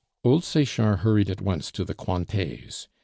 Old Sechard hurried at once to the Cointets.